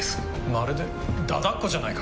まるで駄々っ子じゃないか！